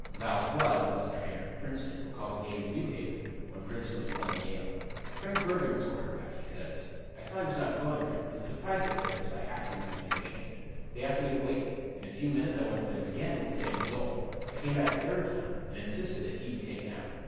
Val Flood, once a trainer at Princeton, recalls a game at New Haven, when Princeton was playing Yale: "Frank Bergen was quarterback," he says. "I saw he was not going right, and surprised the coaches by asking them to make a change. They asked me to wait. In a few minutes I went to them again, with the same result. I came back a third time, and insisted that he be taken out.